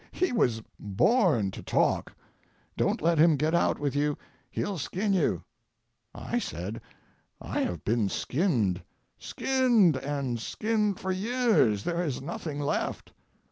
He was born to talk. Don't let him get out with you; he'll skin you." I said, "I have been skinned, skinned, and skinned for years, there is nothing left."